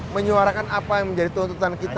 menyuarakan apa yang menjadi tuntutan kita